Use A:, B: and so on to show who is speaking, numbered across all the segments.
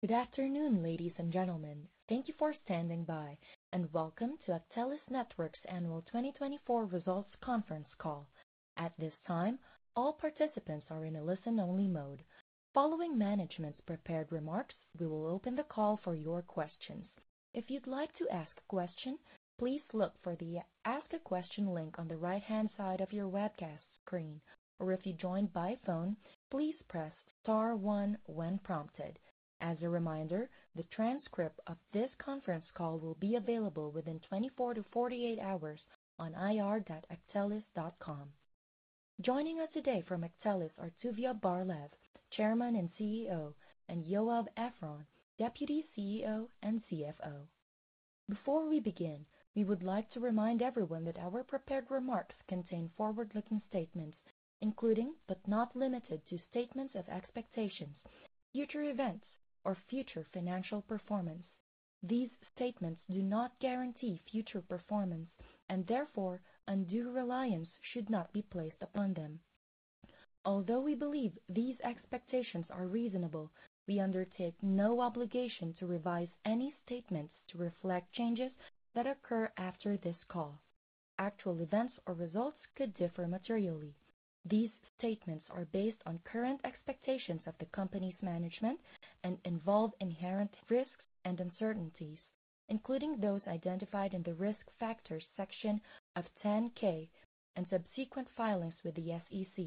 A: Good afternoon, ladies and gentlemen. Thank you for standing by, and welcome to Actelis Networks' annual 2024 Results Conference call. At this time, all participants are in a listen-only mode. Following management's prepared remarks, we will open the call for your questions. If you'd like to ask a question, please look for the Ask a Question link on the right-hand side of your webcast screen, or if you join by phone, please press star one when prompted. As a reminder, the transcript of this conference call will be available within 24 to 48 hours on ir.actelis.com. Joining us today from Actelis are Tuvia Barlev, Chairman and CEO, and Yoav Efron, Deputy CEO and CFO. Before we begin, we would like to remind everyone that our prepared remarks contain forward-looking statements, including, but not limited to, statements of expectations, future events, or future financial performance. These statements do not guarantee future performance, and therefore, undue reliance should not be placed upon them. Although we believe these expectations are reasonable, we undertake no obligation to revise any statements to reflect changes that occur after this call. Actual events or results could differ materially. These statements are based on current expectations of the company's management and involve inherent risks and uncertainties, including those identified in the risk factors section of 10-K and subsequent filings with the SEC.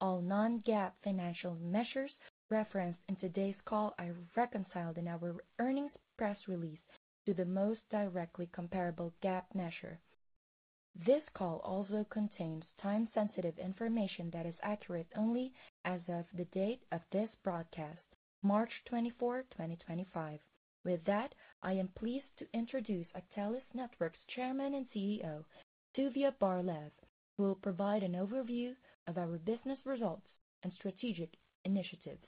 A: All non-GAAP financial measures referenced in today's call are reconciled in our earnings press release to the most directly comparable GAAP measure. This call also contains time-sensitive information that is accurate only as of the date of this broadcast, March 24, 2025. With that, I am pleased to introduce Actelis Networks' Chairman and CEO, Tuvia Barlev, who will provide an overview of our business results and strategic initiatives.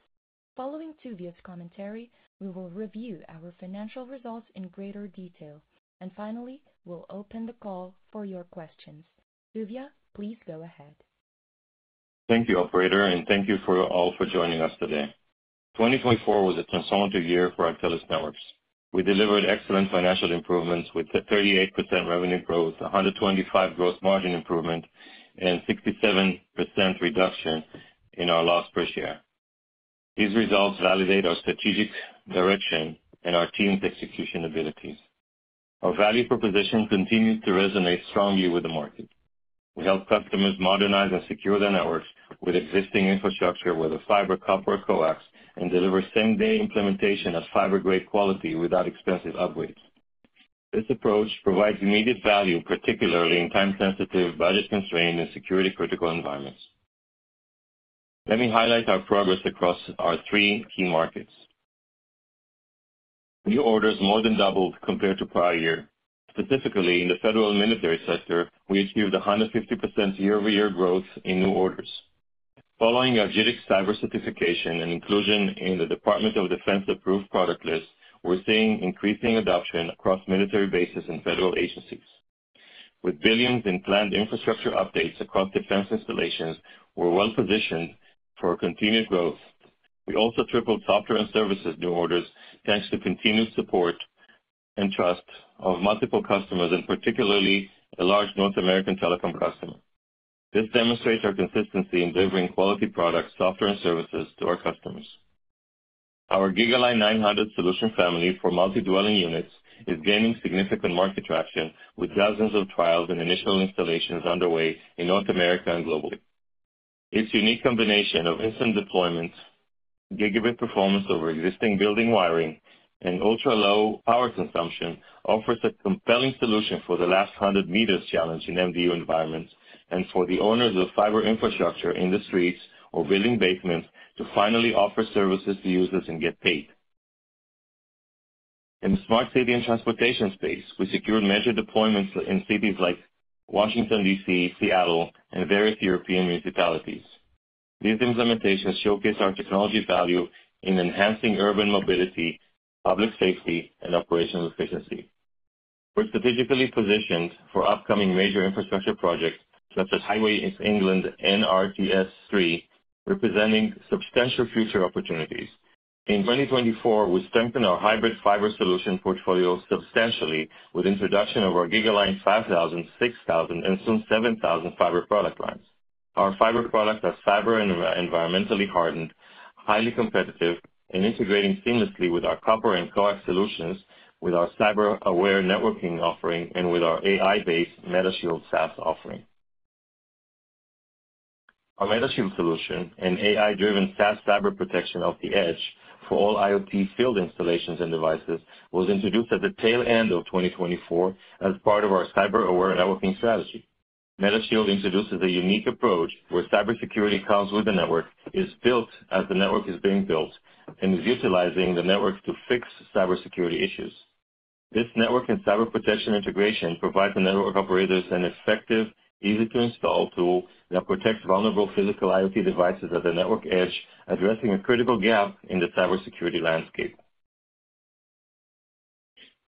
A: Following Tuvia Barlev's commentary, we will review our financial results in greater detail, and finally, we'll open the call for your questions. Tuvia Barlev, please go ahead.
B: Thank you, Operator, and thank you all for joining us today. 2024 was a transformative year for Actelis Networks. We delivered excellent financial improvements with 38% revenue growth, 125% gross margin improvement, and a 67% reduction in our loss per share. These results validate our strategic direction and our team's execution abilities. Our value proposition continues to resonate strongly with the market. We help customers modernize and secure their networks with existing infrastructure with a fiber copper coax and deliver same-day implementation of fiber-grade quality without expensive upgrades. This approach provides immediate value, particularly in time-sensitive, budget-constrained, and security-critical environments. Let me highlight our progress across our three key markets. New orders more than doubled compared to prior year. Specifically, in the federal and military sector, we achieved 150% year-over-year growth in new orders. Following our JITC cyber certification and inclusion in the Department of Defense-approved product list, we're seeing increasing adoption across military bases and federal agencies. With billions in planned infrastructure updates across defense installations, we're well-positioned for continued growth. We also tripled software and services new orders thanks to continued support and trust of multiple customers, and particularly a large North American telecom customer. This demonstrates our consistency in delivering quality products, software, and services to our customers. Our GigaLine 900 solution family for multi-dwelling units is gaining significant market traction with dozens of trials and initial installations underway in North America and globally. Its unique combination of instant deployment, gigabit performance over existing building wiring, and ultra-low power consumption offers a compelling solution for the last 100 meters challenge in MDU environments and for the owners of fiber infrastructure in the streets or building basements to finally offer services to users and get paid. In the smart city and transportation space, we secured major deployments in cities like Washington, D.C., Seattle, and various European municipalities. These implementations showcase our technology value in enhancing urban mobility, public safety, and operational efficiency. We're strategically positioned for upcoming major infrastructure projects such as Highways England NRTS3, representing substantial future opportunities. In 2024, we strengthen our hybrid fiber solution portfolio substantially with the introduction of our GigaLine 5000, 6000, and soon 7000 fiber product lines. Our fiber products are fiber and environmentally hardened, highly competitive, and integrating seamlessly with our copper and coax solutions, with our cyber-aware networking offering, and with our AI-based MetaShield SaaS offering. Our MetaShield solution, an AI-driven SaaS cyber protection of the edge for all IoT field installations and devices, was introduced at the tail end of 2024 as part of our cyber-aware networking strategy. MetaShield introduces a unique approach where cybersecurity comes with the network, is built as the network is being built, and is utilizing the network to fix cybersecurity issues. This network and cyber protection integration provides the network operators an effective, easy-to-install tool that protects vulnerable physical IoT devices at the network edge, addressing a critical gap in the cybersecurity landscape.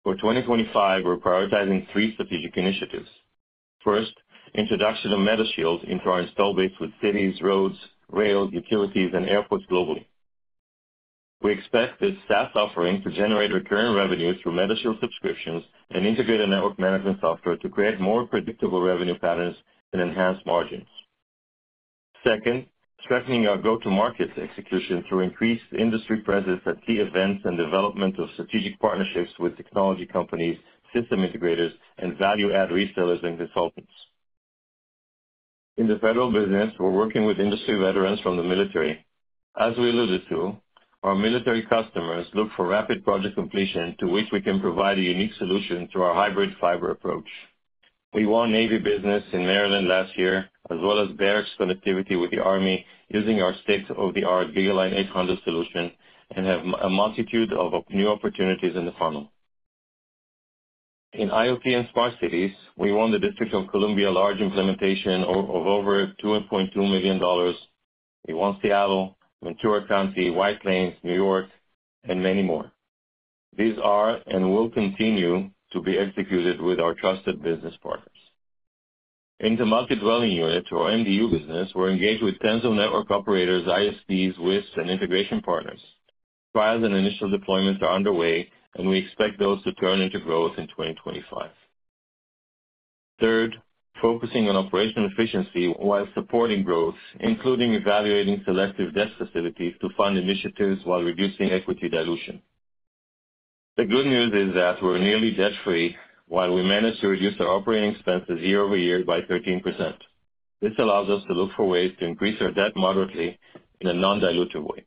B: For 2025, we're prioritizing three strategic initiatives. First, introduction of MetaShield into our install base with cities, roads, rail, utilities, and airports globally. We expect this SaaS offering to generate recurring revenue through MetaShield subscriptions and integrated network management software to create more predictable revenue patterns and enhance margins. Second, strengthening our go-to-market execution through increased industry presence at key events and development of strategic partnerships with technology companies, system integrators, and value-add resellers and consultants. In the federal business, we're working with industry veterans from the military. As we alluded to, our military customers look for rapid project completion to which we can provide a unique solution through our hybrid fiber approach. We won Navy business in Maryland last year, as well as barracks connectivity with the Army using our state-of-the-art GigaLine 800 solution, and have a multitude of new opportunities in the funnel. In IoT and smart cities, we won the District of Columbia large implementation of over $2.2 million. We won Seattle, Ventura County, White Plains, New York, and many more. These are and will continue to be executed with our trusted business partners. In the multi-dwelling unit, or MDU business, we're engaged with tens of network operators, ISPs, WISPs, and integration partners. Trials and initial deployments are underway, and we expect those to turn into growth in 2025. Third, focusing on operational efficiency while supporting growth, including evaluating selective desk facilities to fund initiatives while reducing equity dilution. The good news is that we're nearly debt-free while we manage to reduce our operating expenses year-over-year by 13%. This allows us to look for ways to increase our debt moderately in a non-dilutive way.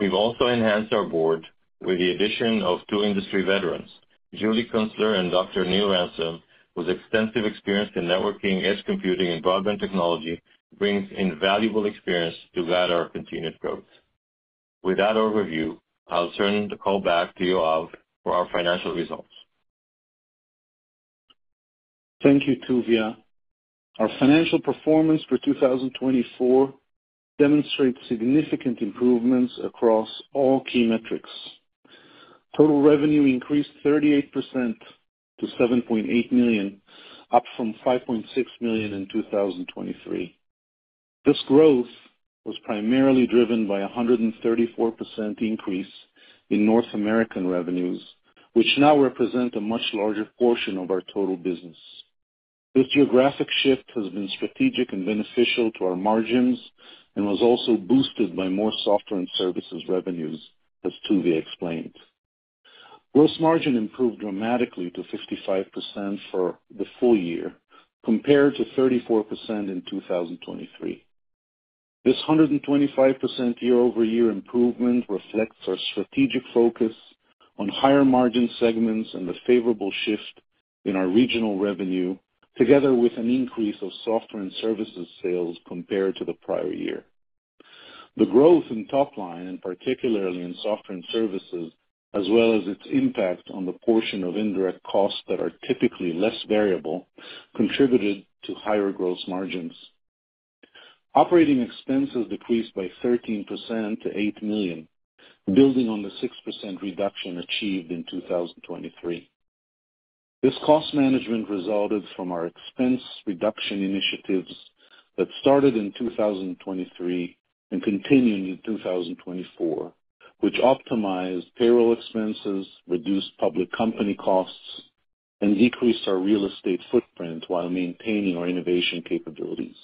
B: We've also enhanced our board with the addition of two industry veterans, Julie Kunstler and Dr. Neil Ransom, whose extensive experience in networking, edge computing, and broadband technology brings invaluable experience to guide our continued growth. With that overview, I'll turn the call back to Yoav Efron for our financial results.
C: Thank you, Tuvia Barlev. Our financial performance for 2024 demonstrates significant improvements across all key metrics. Total revenue increased 38% to $7.8 million, up from $5.6 million in 2023. This growth was primarily driven by a 134% increase in North American revenues, which now represent a much larger portion of our total business. This geographic shift has been strategic and beneficial to our margins and was also boosted by more software and services revenues, as Tuvia Barlev explained. Gross margin improved dramatically to 55% for the full year compared to 34% in 2023. This 125% year-over-year improvement reflects our strategic focus on higher margin segments and the favorable shift in our regional revenue, together with an increase of software and services sales compared to the prior year. The growth in top line, and particularly in software and services, as well as its impact on the portion of indirect costs that are typically less variable, contributed to higher gross margins. Operating expenses decreased by 13% to $8 million, building on the 6% reduction achieved in 2023. This cost management resulted from our expense reduction initiatives that started in 2023 and continued in 2024, which optimized payroll expenses, reduced public company costs, and decreased our real estate footprint while maintaining our innovation capabilities.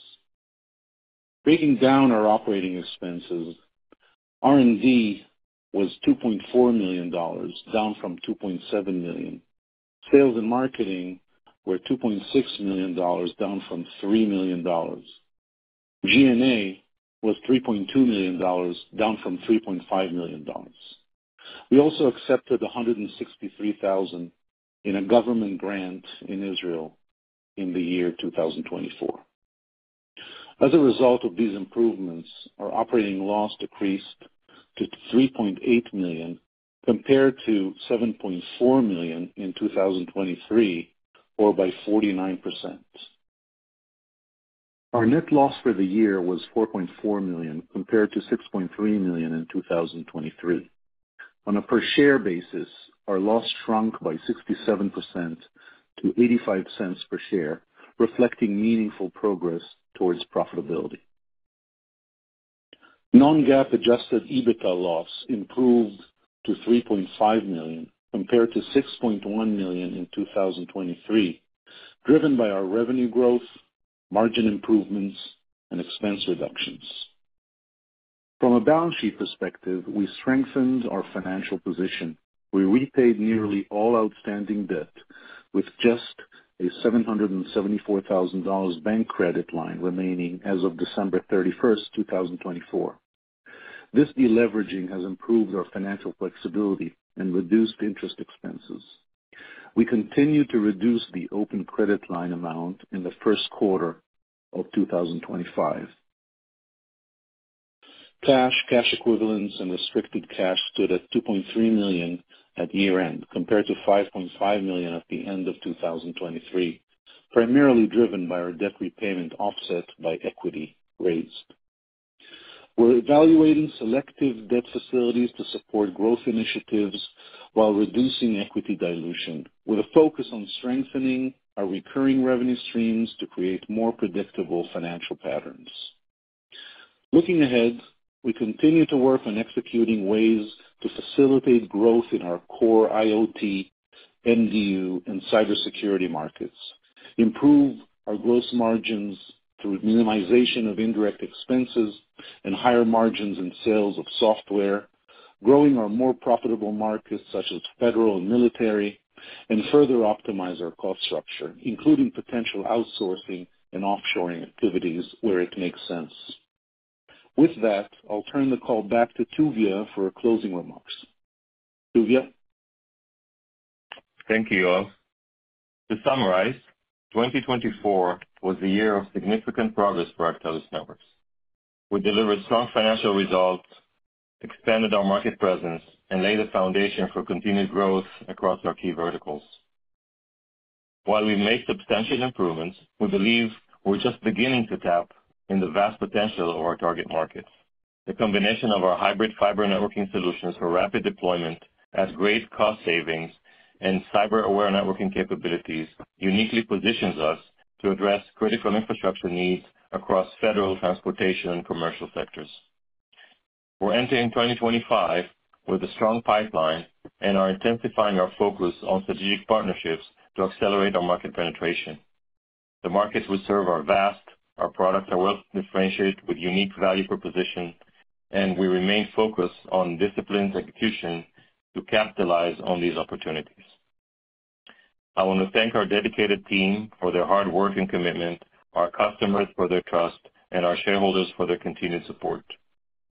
C: Breaking down our operating expenses, R&D was $2.4 million, down from $2.7 million. Sales and marketing were $2.6 million, down from $3 million. G&A was $3.2 million, down from $3.5 million. We also accepted $163,000 in a government grant in Israel in the year 2024. As a result of these improvements, our operating loss decreased to $3.8 million compared to $7.4 million in 2023, or by 49%. Our net loss for the year was $4.4 million compared to $6.3 million in 2023. On a per-share basis, our loss shrunk by 67% to $0.85 per share, reflecting meaningful progress towards profitability. Non-GAAP adjusted EBITDA loss improved to $3.5 million compared to $6.1 million in 2023, driven by our revenue growth, margin improvements, and expense reductions. From a balance sheet perspective, we strengthened our financial position. We repaid nearly all outstanding debt, with just a $774,000 bank credit line remaining as of December 31, 2024. This deleveraging has improved our financial flexibility and reduced interest expenses. We continue to reduce the open credit line amount in the first quarter of 2025. Cash, cash equivalents, and restricted cash stood at $2.3 million at year-end compared to $5.5 million at the end of 2023, primarily driven by our debt repayment offset by equity raised. We're evaluating selective debt facilities to support growth initiatives while reducing equity dilution, with a focus on strengthening our recurring revenue streams to create more predictable financial patterns. Looking ahead, we continue to work on executing ways to facilitate growth in our core IoT, MDU, and cybersecurity markets, improve our gross margins through minimization of indirect expenses and higher margins in sales of software, growing our more profitable markets such as federal and military, and further optimize our cost structure, including potential outsourcing and offshoring activities where it makes sense. With that, I'll turn the call back to Tuvia Barlev for closing remarks. Tuvia Barlev?
B: Thank you, Yoav Efron. To summarize, 2024 was a year of significant progress for Actelis Networks. We delivered strong financial results, expanded our market presence, and laid the foundation for continued growth across our key verticals. While we make substantial improvements, we believe we're just beginning to tap into the vast potential of our target markets. The combination of our hybrid fiber networking solutions for rapid deployment adds great cost savings, and cyber-aware networking capabilities uniquely positions us to address critical infrastructure needs across federal transportation and commercial sectors. We're entering 2025 with a strong pipeline and are intensifying our focus on strategic partnerships to accelerate our market penetration. The markets we serve are vast, our products are well-differentiated with unique value proposition, and we remain focused on disciplined execution to capitalize on these opportunities. I want to thank our dedicated team for their hard work and commitment, our customers for their trust, and our shareholders for their continued support.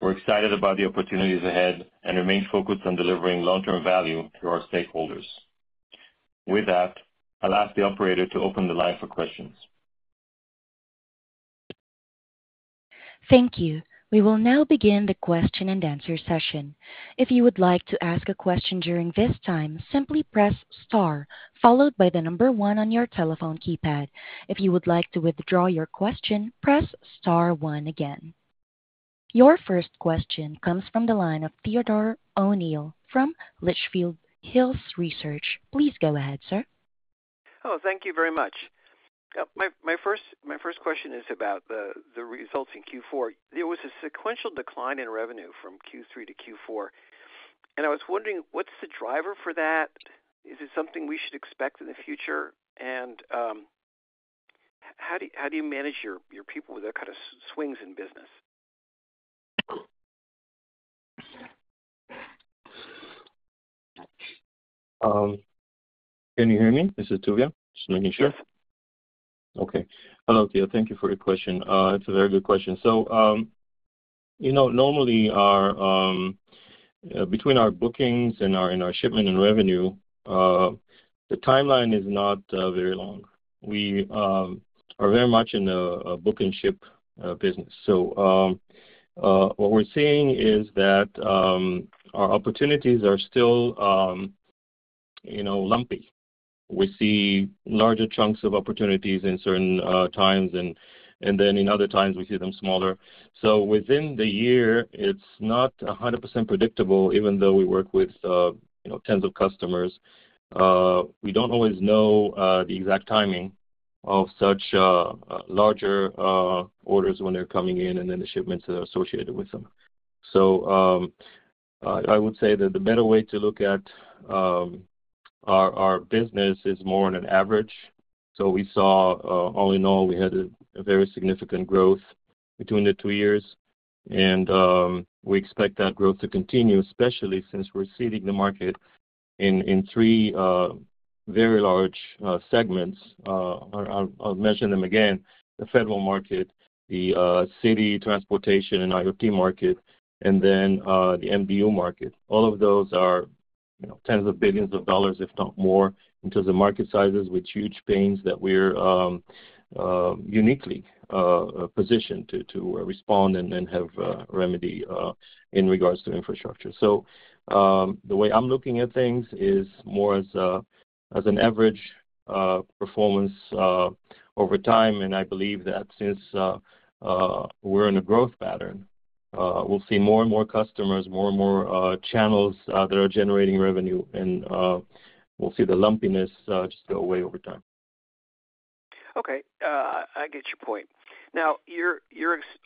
B: We're excited about the opportunities ahead and remain focused on delivering long-term value to our stakeholders. With that, I'll ask the operator to open the line for questions.
A: Thank you. We will now begin the question-and-answer session. If you would like to ask a question during this time, simply press *, followed by the number one on your telephone keypad. If you would like to withdraw your question, press * one again. Your first question comes from the line of Theodore O'Neill from Litchfield Hills Research. Please go ahead, sir.
D: Oh, thank you very much. My first question is about the results in Q4. There was a sequential decline in revenue from Q3 to Q4, and I was wondering, what's the driver for that? Is it something we should expect in the future? How do you manage your people with that kind of swings in business?
B: Can you hear me? This is Tuvia Barlev. Just making sure.
D: Yes.
B: Okay. Hello, Tuvia Barlev. Thank you for your question. It's a very good question. Normally, between our bookings and our shipment and revenue, the timeline is not very long. We are very much in a book and ship business. What we're seeing is that our opportunities are still lumpy. We see larger chunks of opportunities at certain times, and at other times, we see them smaller. Within the year, it's not 100% predictable, even though we work with tens of customers. We do not always know the exact timing of such larger orders when they're coming in and the shipments that are associated with them. I would say that the better way to look at our business is more on an average. All in all, we had a very significant growth between the two years, and we expect that growth to continue, especially since we're seeding the market in three very large segments. I'll mention them again: the federal market, the city transportation and IoT market, and then the MDU market. All of those are tens of billions of dollars, if not more, in terms of market sizes, with huge pains that we're uniquely positioned to respond and have remedy in regards to infrastructure. The way I'm looking at things is more as an average performance over time, and I believe that since we're in a growth pattern, we'll see more and more customers, more and more channels that are generating revenue, and we'll see the lumpiness just go away over time.
D: Okay. I get your point. Now,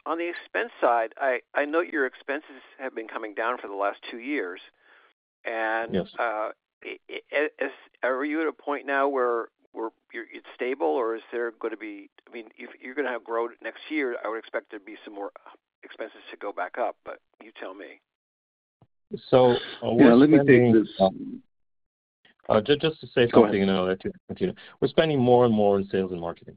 D: on the expense side, I note your expenses have been coming down for the last two years. Are you at a point now where it's stable, or is there going to be—I mean, you're going to have growth next year. I would expect there'd be some more expenses to go back up, but you tell me.
B: Let me take this just to say something to continue. We're spending more and more in sales and marketing,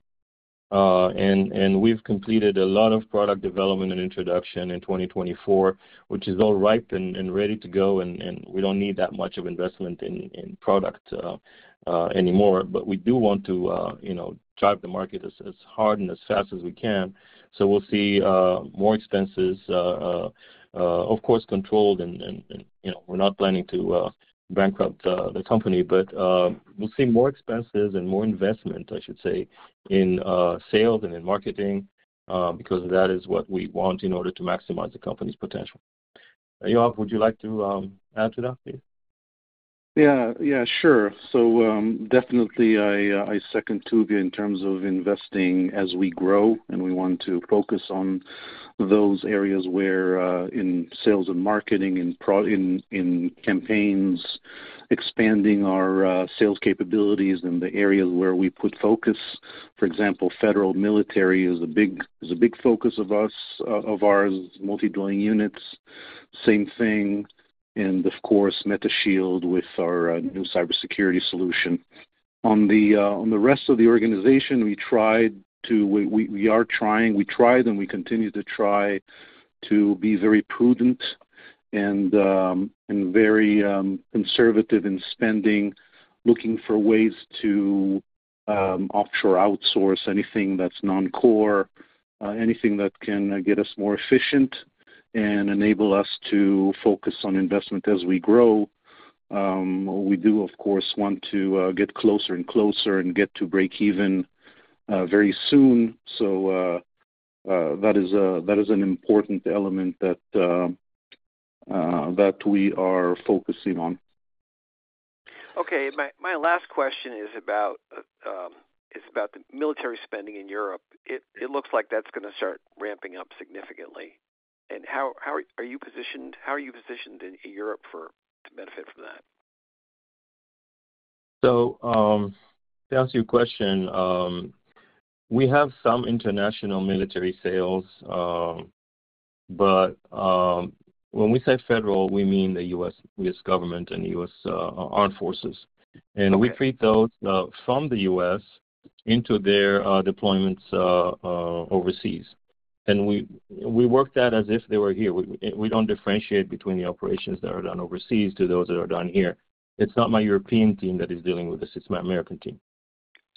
B: and we've completed a lot of product development and introduction in 2024, which is all ripe and ready to go, and we don't need that much of investment in product anymore. We do want to drive the market as hard and as fast as we can. We'll see more expenses, of course, controlled, and we're not planning to bankrupt the company, but we'll see more expenses and more investment, I should say, in sales and in marketing because that is what we want in order to maximize the company's potential. Yoav Efron, would you like to add to that, please?
C: Yeah. Yeah, sure. Definitely, I second Tuvia Barlev in terms of investing as we grow, and we want to focus on those areas where in sales and marketing, in campaigns, expanding our sales capabilities in the areas where we put focus. For example, federal military is a big focus of ours, multi-dwelling units, same thing, and of course, MetaShield with our new cybersecurity solution. On the rest of the organization, we are trying, we tried, and we continue to try to be very prudent and very conservative in spending, looking for ways to offshore outsource anything that's non-core, anything that can get us more efficient and enable us to focus on investment as we grow. We do, of course, want to get closer and closer and get to break even very soon. That is an important element that we are focusing on.
D: Okay. My last question is about the military spending in Europe. It looks like that's going to start ramping up significantly. How are you positioned? How are you positioned in Europe to benefit from that?
B: To answer your question, we have some international military sales, but when we say federal, we mean the U.S., government and the U.S., Armed Forces. We treat those from the U.S., into their deployments overseas. We work that as if they were here. We do not differentiate between the operations that are done overseas and those that are done here. It is not my European team that is dealing with this. It is my American team.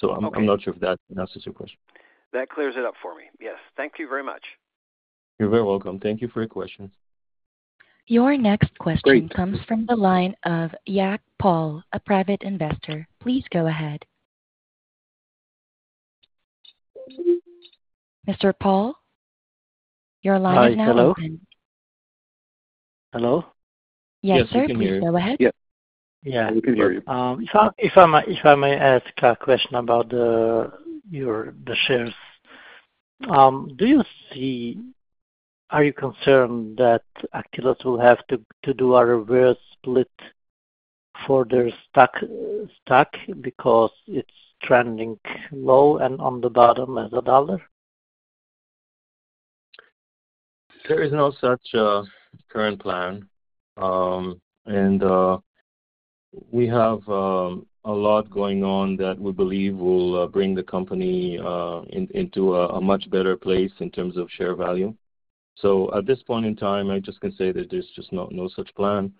B: I am not sure if that answers your question.
D: That clears it up for me. Yes. Thank you very much.
B: You're very welcome. Thank you for your questions.
A: Your next question comes from the line of Jacques Paul, a private investor. Please go ahead. Mr. Paul, your line is now open.
E: Hello?
B: Hello? Yes, sir. Please go ahead. Yeah. Yeah. We can hear you.
E: If I may ask a question about your shares, do you see—are you concerned that Actelis will have to do a reverse split for their stock because it's trending low and on the bottom as a dollar?
B: There is no such current plan, and we have a lot going on that we believe will bring the company into a much better place in terms of share value. At this point in time, I just can say that there's just no such plan.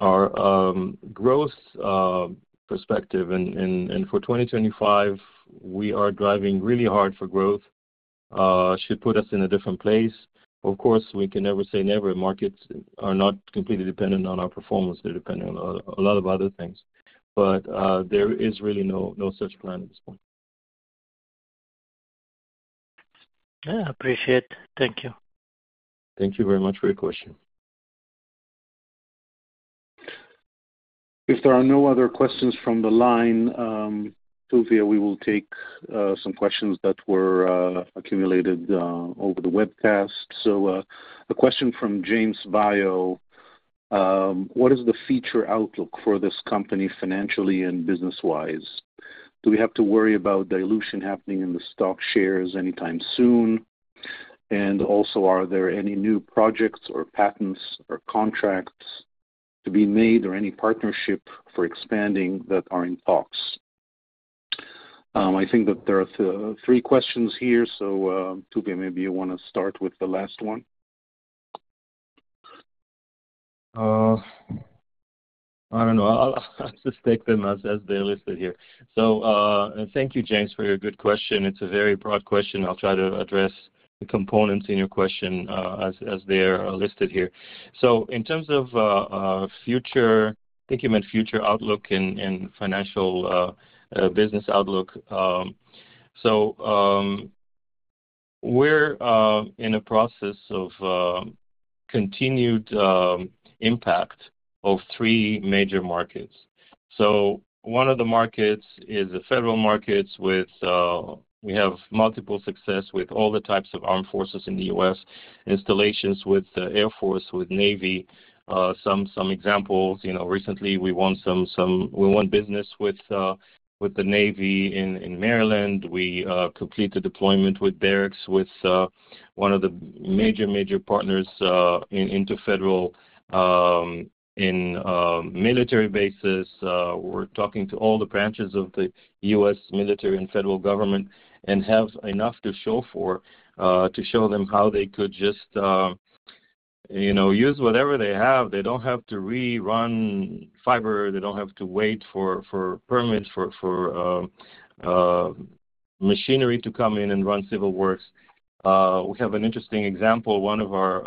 B: Our growth perspective, and for 2025, we are driving really hard for growth. It should put us in a different place. Of course, we can never say never. Markets are not completely dependent on our performance. They are dependent on a lot of other things. There is really no such plan at this point.
E: Yeah. Appreciate it. Thank you.
B: Thank you very much for your question.
C: If there are no other questions from the line, Tuvia Barlev, we will take some questions that were accumulated over the webcast. A question from James Vayo. What is the future outlook for this company financially and business-wise? Do we have to worry about dilution happening in the stock shares anytime soon? Also, are there any new projects or patents or contracts to be made or any partnership for expanding that are in talks? I think that there are three questions here. Tuvia Barlev, maybe you want to start with the last one.
B: I don't know. I'll just take them as they're listed here. Thank you, James, for your good question. It's a very broad question. I'll try to address the components in your question as they're listed here. In terms of future—I think you meant future outlook and financial business outlook. We're in a process of continued impact of three major markets. One of the markets is the federal markets with—we have multiple success with all the types of armed forces in the U.S., installations with the Air Force, with Navy. Some examples, recently, we won business with the Navy in Maryland. We completed deployment with Barracks, with one of the major, major partners in federal military bases. We're talking to all the branches of the U.S., military and federal government and have enough to show for to show them how they could just use whatever they have. They don't have to rerun fiber. They don't have to wait for permits for machinery to come in and run civil works. We have an interesting example. One of our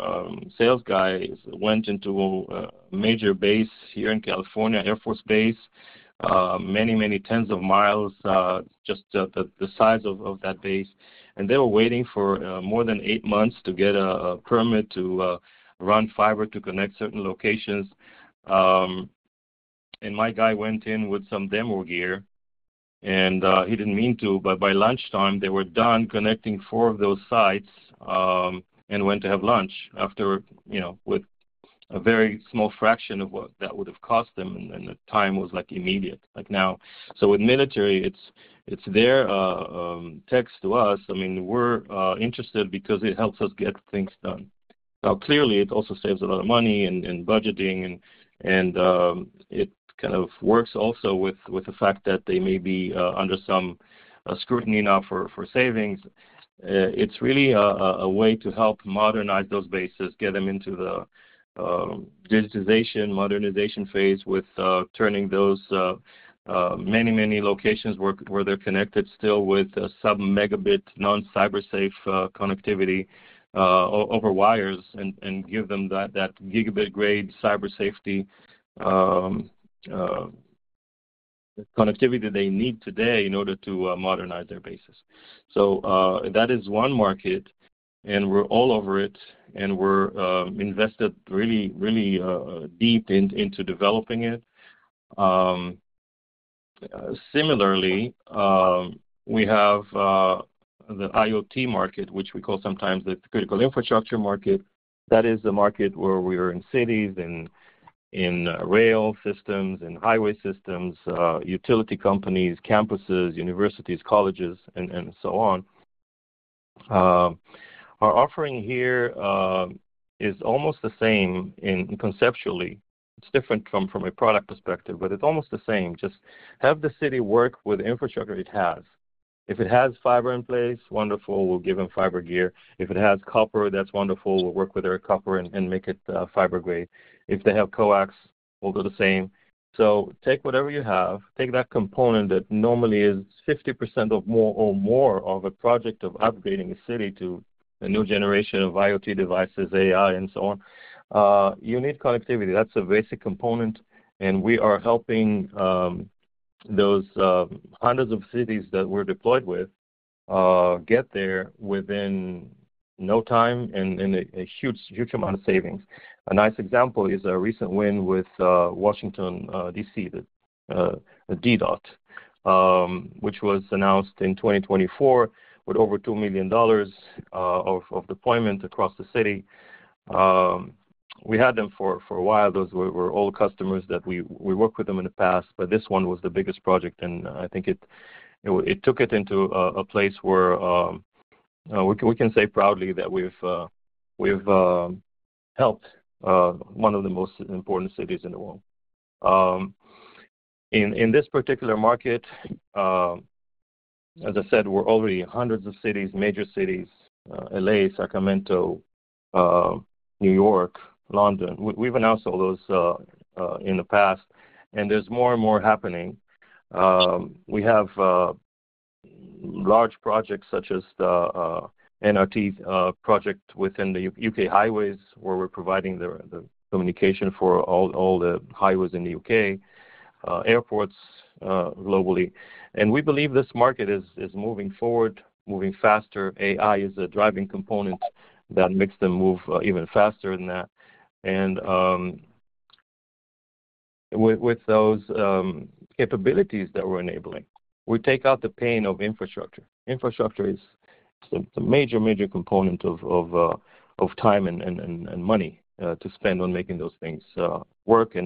B: sales guys went into a major base here in California, Air Force Base, many, many tens of miles, just the size of that base. They were waiting for more than eight months to get a permit to run fiber to connect certain locations. My guy went in with some demo gear, and he didn't mean to, but by lunchtime, they were done connecting four of those sites and went to have lunch with a very small fraction of what that would have cost them, and the time was immediate like now. With military, it's their text to us. I mean, we're interested because it helps us get things done. Now, clearly, it also saves a lot of money and budgeting, and it kind of works also with the fact that they may be under some scrutiny now for savings. It is really a way to help modernize those bases, get them into the digitization, modernization phase with turning those many, many locations where they're connected still with some megabit non-cybersafe connectivity over wires and give them that gigabit-grade cybersafety connectivity they need today in order to modernize their bases. That is one market, and we're all over it, and we're invested really, really deep into developing it. Similarly, we have the IoT market, which we call sometimes the critical infrastructure market. That is the market where we are in cities and in rail systems and highway systems, utility companies, campuses, universities, colleges, and so on. Our offering here is almost the same conceptually. It's different from a product perspective, but it's almost the same. Just have the city work with the infrastructure it has. If it has fiber in place, wonderful. We'll give them fiber gear. If it has copper, that's wonderful. We'll work with their copper and make it fiber grade. If they have coax, we'll do the same. Take whatever you have. Take that component that normally is 50% or more of a project of upgrading a city to a new generation of IoT devices, AI, and so on. You need connectivity. That's a basic component, and we are helping those hundreds of cities that we're deployed with get there within no time and a huge amount of savings. A nice example is a recent win with Washington, D.C., the DDOT, which was announced in 2024 with over $2 million of deployment across the city. We had them for a while. Those were all customers that we worked with in the past, but this one was the biggest project, and I think it took it into a place where we can say proudly that we've helped one of the most important cities in the world. In this particular market, as I said, we're already in hundreds of cities, major cities, LA, Sacramento, New York, London. We've announced all those in the past, and there's more and more happening. We have large projects such as the NRT project within the U.K., highways where we're providing the communication for all the highways in the U.K., airports globally. We believe this market is moving forward, moving faster. AI is a driving component that makes them move even faster than that. With those capabilities that we're enabling, we take out the pain of infrastructure. Infrastructure is a major, major component of time and money to spend on making those things work.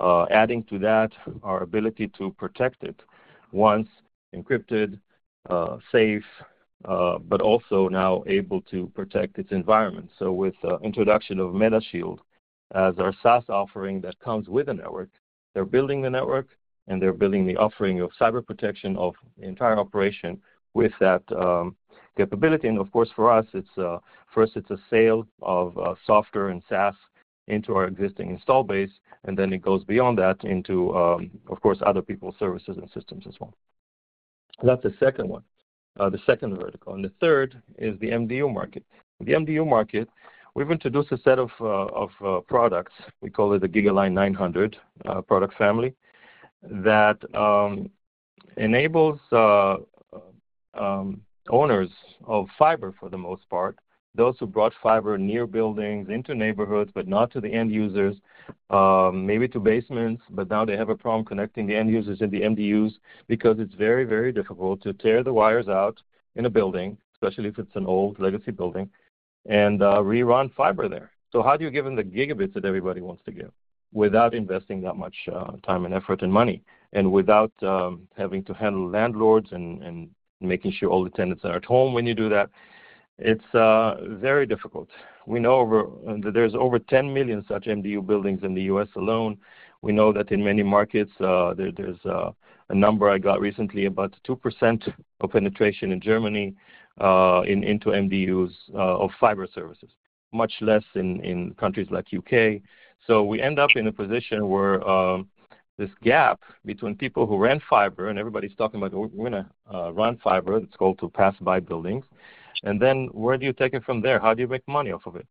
B: Adding to that, our ability to protect it once encrypted, safe, but also now able to protect its environment. With the introduction of MetaShield as our SaaS offering that comes with a network, they're building the network, and they're building the offering of cyber protection of the entire operation with that capability. Of course, for us, for us, it's a sale of software and SaaS into our existing install base, and then it goes beyond that into, of course, other people's services and systems as well. That's the second one, the second vertical. The third is the MDU market. The MDU market, we've introduced a set of products. We call it the GigaLine 900 product family that enables owners of fiber, for the most part, those who brought fiber near buildings, into neighborhoods, but not to the end users, maybe to basements, but now they have a problem connecting the end users and the MDUs because it's very, very difficult to tear the wires out in a building, especially if it's an old legacy building, and rerun fiber there. How do you give them the gigabits that everybody wants to give without investing that much time and effort and money and without having to handle landlords and making sure all the tenants are at home when you do that? It's very difficult. We know there's over 10 million such MDU buildings in the US alone. We know that in many markets, there's a number I got recently, about 2% of penetration in Germany into MDUs of fiber services, much less in countries like the U.K. We end up in a position where this gap between people who rent fiber and everybody's talking about, "We're going to run fiber that's going to pass by buildings." Where do you take it from there? How do you make money off of it?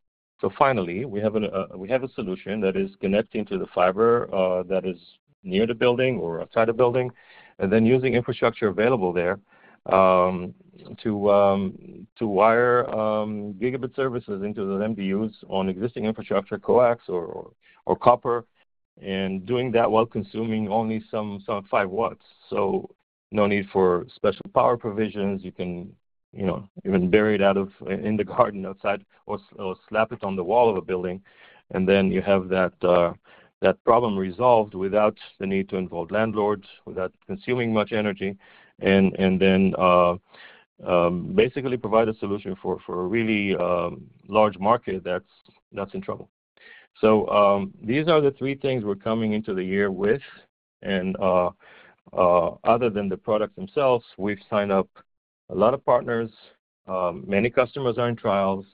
B: Finally, we have a solution that is connecting to the fiber that is near the building or outside the building and then using infrastructure available there to wire gigabit services into the MDUs on existing infrastructure, coax or copper, and doing that while consuming only some 5 watts. No need for special power provisions. You can even bury it out in the garden outside or slap it on the wall of a building, and then you have that problem resolved without the need to involve landlords, without consuming much energy, and then basically provide a solution for a really large market that's in trouble. These are the three things we're coming into the year with. Other than the products themselves, we've signed up a lot of partners. Many customers are in trials,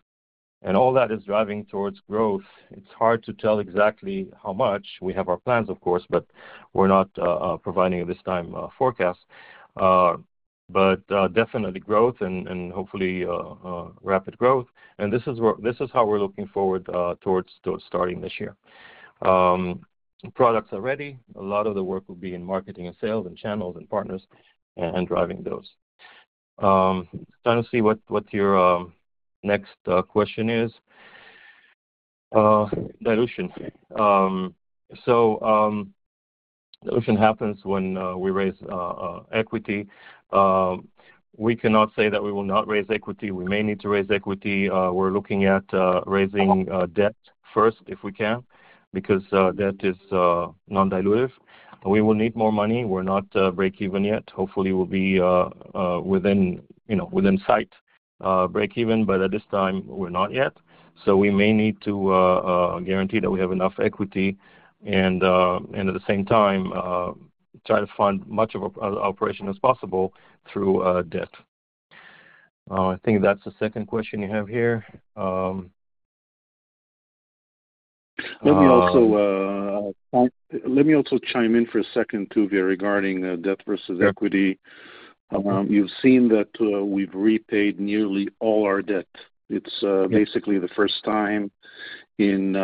B: and all that is driving towards growth. It's hard to tell exactly how much. We have our plans, of course, but we're not providing at this time forecasts. Definitely growth and hopefully rapid growth. This is how we're looking forward towards starting this year. Products are ready. A lot of the work will be in marketing and sales and channels and partners and driving those. Trying to see what your next question is. Dilution. Dilution happens when we raise equity. We cannot say that we will not raise equity. We may need to raise equity. We're looking at raising debt first if we can because debt is non-dilutive. We will need more money. We're not break-even yet. Hopefully, we'll be within sight of break-even, but at this time, we're not yet. We may need to guarantee that we have enough equity and at the same time try to fund much of our operation as possible through debt. I think that's the second question you have here.
C: Let me also chime in for a second, Tuvia Barlev, regarding debt versus equity. You've seen that we've repaid nearly all our debt. It's basically the first time in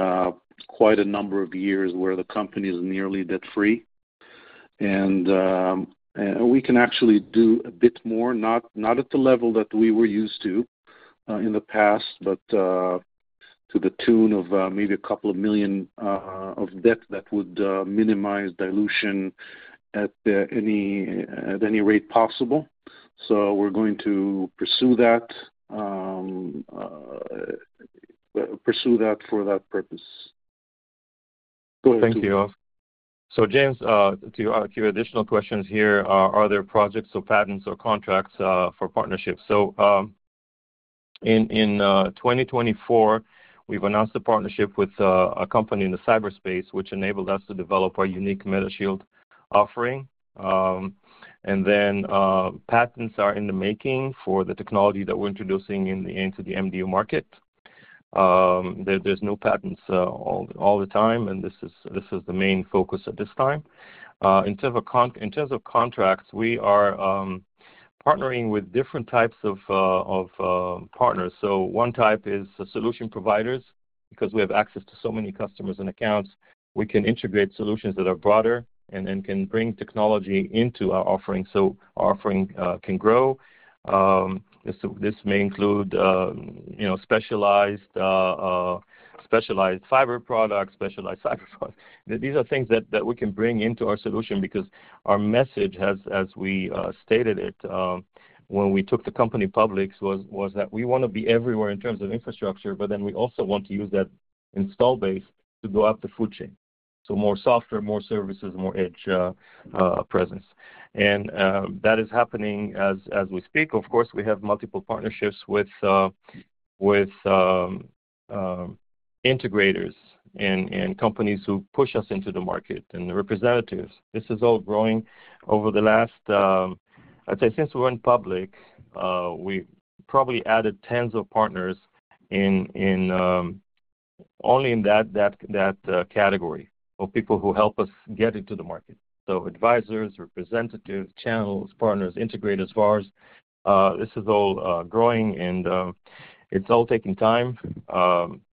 C: quite a number of years where the company is nearly debt-free. We can actually do a bit more, not at the level that we were used to in the past, but to the tune of maybe a couple of million of debt that would minimize dilution at any rate possible. We're going to pursue that for that purpose. Go ahead.
B: Thank you. James, to give you additional questions here, are there projects or patents or contracts for partnerships? In 2024, we've announced a partnership with a company in the cyberspace, which enabled us to develop our unique MetaShield offering. Patents are in the making for the technology that we're introducing into the MDU market. There are new patents all the time, and this is the main focus at this time. In terms of contracts, we are partnering with different types of partners. One type is solution providers. Because we have access to so many customers and accounts, we can integrate solutions that are broader and can bring technology into our offering so our offering can grow. This may include specialized fiber products, specialized fiber products. These are things that we can bring into our solution because our message, as we stated it when we took the company public, was that we want to be everywhere in terms of infrastructure, but then we also want to use that install base to go up the food chain. More software, more services, more edge presence. That is happening as we speak. Of course, we have multiple partnerships with integrators and companies who push us into the market and representatives. This is all growing over the last, I'd say, since we went public, we probably added tens of partners only in that category of people who help us get into the market. Advisors, representatives, channels, partners, integrators, VARs. This is all growing, and it's all taking time,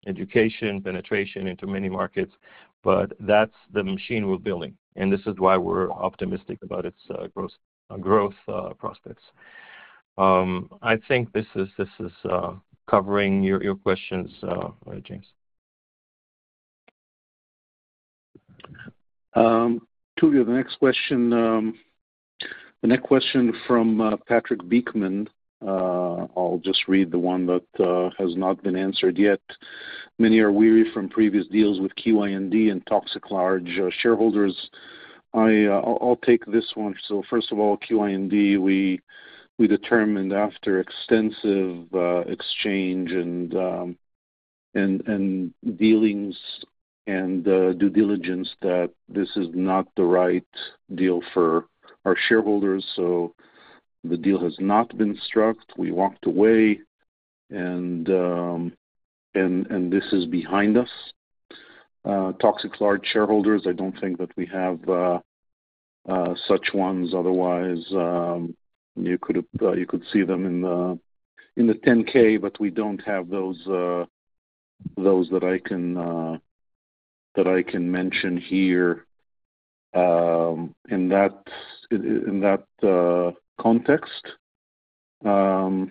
B: education, penetration into many markets, but that's the machine we're building. This is why we're optimistic about its growth prospects. I think this is covering your questions, James.
C: Tuvia Barlev, the next question. The next question from Patrick Beekman. I'll just read the one that has not been answered yet. Many are weary from previous deals with QIND and toxic large shareholders. I'll take this one. First of all, QIND, we determined after extensive exchange and dealings and due diligence that this is not the right deal for our shareholders. The deal has not been struck. We walked away, and this is behind us. Toxic large shareholders, I don't think that we have such ones. Otherwise, you could see them in the 10-K, but we don't have those that I can mention here. In that context, Ron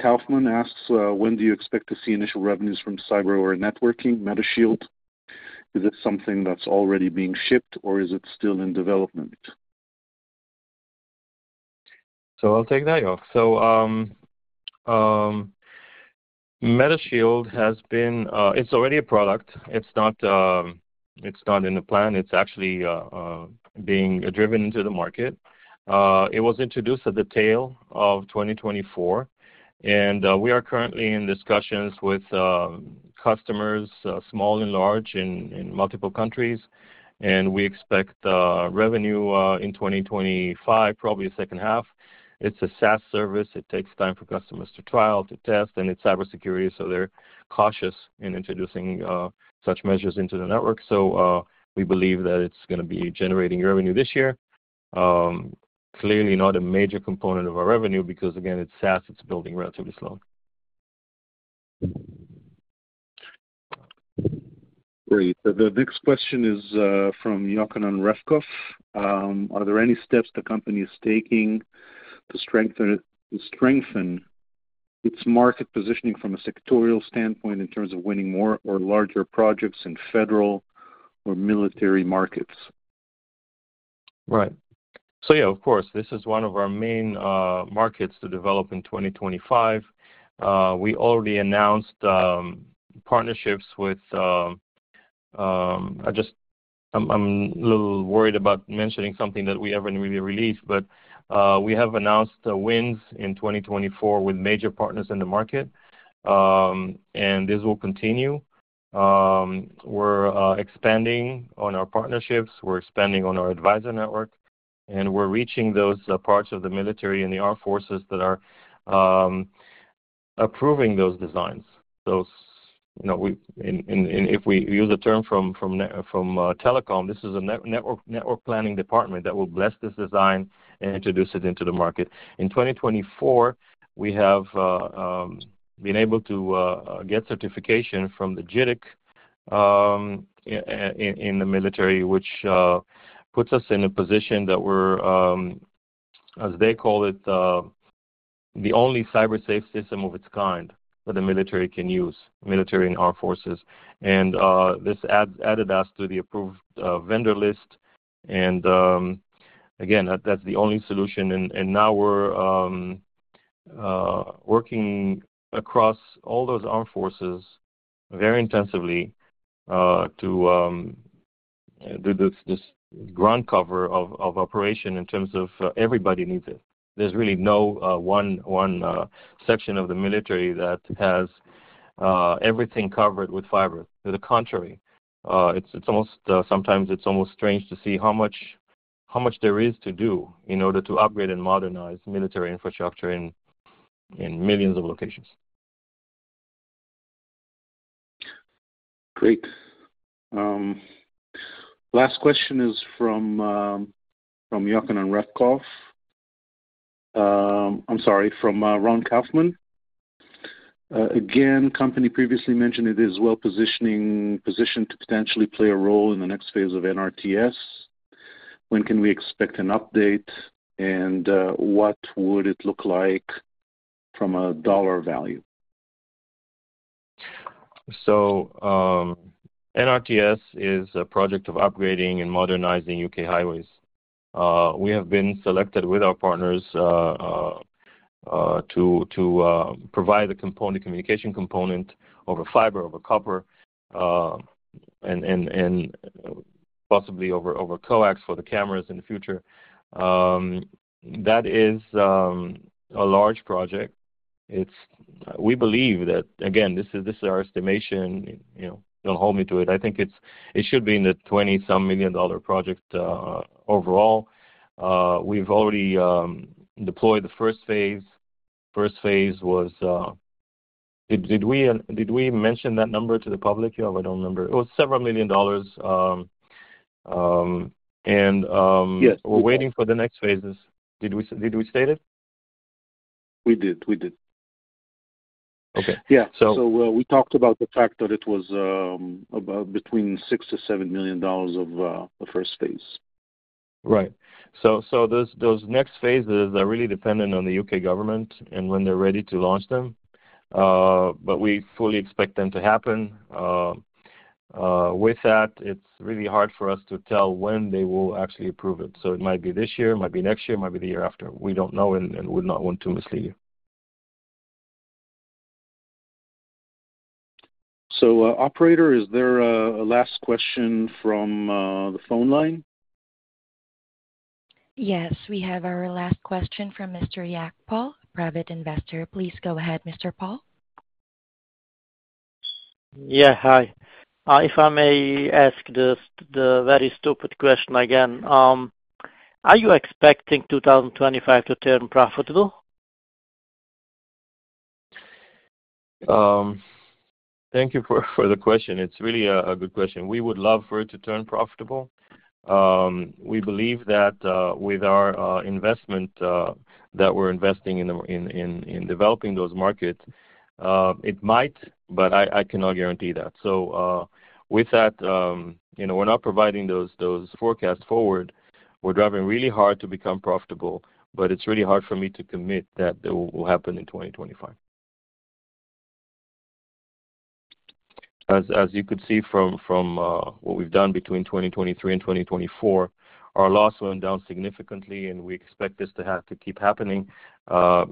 C: Kaufman asks, "When do you expect to see initial revenues from cyber or networking MetaShield? Is it something that's already being shipped, or is it still in development?
B: I'll take that off. MetaShield has been—it's already a product. It's not in the plan. It's actually being driven into the market. It was introduced at the tail of 2024, and we are currently in discussions with customers, small and large, in multiple countries, and we expect revenue in 2025, probably the second half. It's a SaaS service. It takes time for customers to trial, to test, and it's cybersecurity, so they're cautious in introducing such measures into the network. We believe that it's going to be generating revenue this year. Clearly, not a major component of our revenue because, again, it's SaaS. It's building relatively slow.
C: Great. The next question is from Joachim Ravkoff. Are there any steps the company is taking to strengthen its market positioning from a sectorial standpoint in terms of winning more or larger projects in federal or military markets?
B: Right. Yeah, of course, this is one of our main markets to develop in 2025. We already announced partnerships with—I am a little worried about mentioning something that we have not really released, but we have announced wins in 2024 with major partners in the market, and this will continue. We are expanding on our partnerships. We are expanding on our advisor network, and we are reaching those parts of the military and the armed forces that are approving those designs. If we use a term from telecom, this is a network planning department that will bless this design and introduce it into the market. In 2024, we have been able to get certification from the JITC in the military, which puts us in a position that we are, as they call it, the only cybersafe system of its kind that the military can use, military and armed forces. This added us to the approved vendor list. Again, that's the only solution. Now we're working across all those armed forces very intensively to do this ground cover of operation in terms of everybody needs it. There's really no one section of the military that has everything covered with fiber. To the contrary, sometimes it's almost strange to see how much there is to do in order to upgrade and modernize military infrastructure in millions of locations.
C: Great. Last question is from Ron Kaufman. Again, company previously mentioned it is well positioned to potentially play a role in the next phase of NRTS. When can we expect an update, and what would it look like from a dollar value?
B: NRTS is a project of upgrading and modernizing U.K., highways. We have been selected with our partners to provide the communication component of a fiber, of a copper, and possibly over coax for the cameras in the future. That is a large project. We believe that, again, this is our estimation. Don't hold me to it. I think it should be in the $20-some million project overall. We've already deployed the first phase. First phase was—did we mention that number to the public? Yeah, I don't remember. It was several million dollars. And we're waiting for the next phases. Did we state it?
C: We did. We did.
B: Okay.
C: Yeah. We talked about the fact that it was between $6 million and $7 million of the first phase.
B: Right. Those next phases are really dependent on the U.K., government and when they're ready to launch them, but we fully expect them to happen. With that, it's really hard for us to tell when they will actually approve it. It might be this year, it might be next year, it might be the year after. We don't know and would not want to mislead you.
C: Operator, is there a last question from the phone line?
A: Yes. We have our last question from Jacques Paul, private investor. Please go ahead, Mr. Jacques Paul.
E: Yeah. Hi. If I may ask the very stupid question again, are you expecting 2025 to turn profitable?
B: Thank you for the question. It's really a good question. We would love for it to turn profitable. We believe that with our investment, that we're investing in developing those markets, it might, but I cannot guarantee that. With that, we're not providing those forecasts forward. We're driving really hard to become profitable, but it's really hard for me to commit that it will happen in 2025. As you could see from what we've done between 2023 and 2024, our loss went down significantly, and we expect this to keep happening.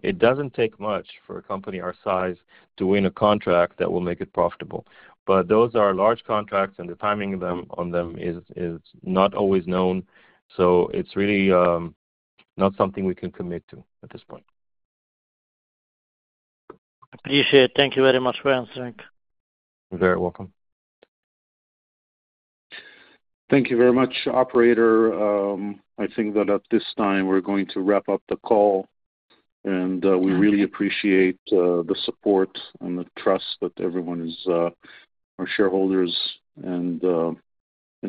B: It doesn't take much for a company our size to win a contract that will make it profitable. Those are large contracts, and the timing on them is not always known. It's really not something we can commit to at this point.
E: Appreciate it. Thank you very much for answering.
B: You're very welcome.
C: Thank you very much, operator. I think that at this time, we're going to wrap up the call, and we really appreciate the support and the trust that everyone is, our shareholders and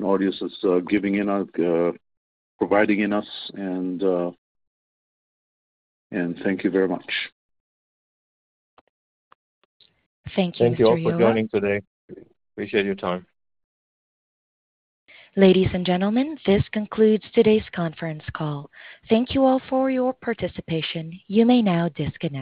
C: audiences, giving in, providing in us. Thank you very much.
A: Thank you for joining.
B: Thank you all for joining today. Appreciate your time.
A: Ladies and gentlemen, this concludes today's conference call. Thank you all for your participation. You may now disconnect.